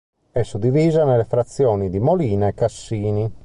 È suddivisa nelle frazioni di Molina e Cassini.